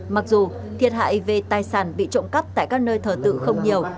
mặc dù thiệt hại về tài sản bị trộm cắp tại các nơi thờ tự không nhiều